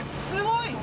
すごい。